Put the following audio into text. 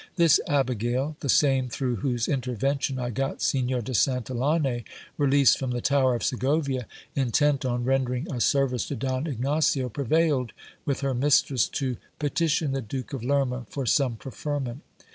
This abigail, the same through whose intervention I got Signor de Santillane released from the tower of Segovia, in tent on rendering a service to Don Ignacio, prevailed with her mistress to pe tition the Duke of Lerma for some preferment.